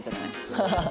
「ハハハ」